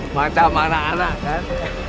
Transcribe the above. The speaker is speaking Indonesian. macam anak anak kan